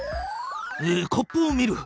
コップを見る。